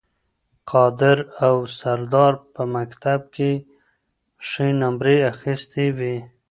قادر او سردار په مکتب کې ښې نمرې اخیستې وې